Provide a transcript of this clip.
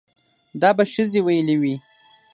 دا به ښځې ويلې وي